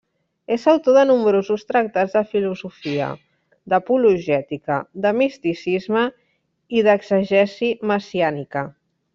És autor de nombrosos tractats de filosofia, d'apologètica, de misticisme i d'exegesi messiànica.